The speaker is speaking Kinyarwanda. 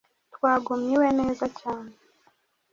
Twagumye iwe neza cyane.